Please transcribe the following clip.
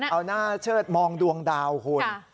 เอาหน้าเชิดมองดวงดาวคุณ